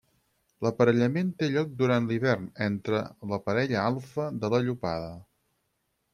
L'aparellament té lloc durant l'hivern entre la parella alfa de la llopada.